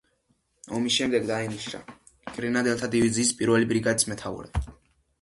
ომის შემდეგ დაინიშნა გრენადერთა დივიზიის პირველი ბრიგადის მეთაურად.